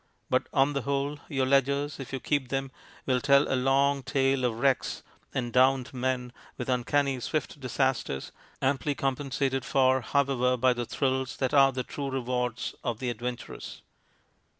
But on the whole your ledgers, if you keep them, will tell a long tale of wrecks and drowned men and uncanny swift disasters, amply compensated for, however, by the thrills that are the true rewards of the adventurous.